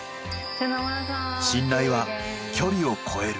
信頼は距離を超える。